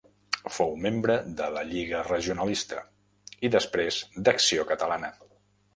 Fou membre de la Lliga Regionalista i, després, d'Acció Catalana.